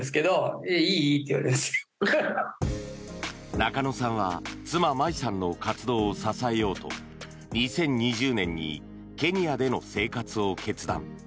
中野さんは妻・麻衣さんの活動を支えようと２０２０年にケニアでの生活を決断。